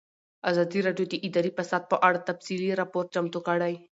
ازادي راډیو د اداري فساد په اړه تفصیلي راپور چمتو کړی.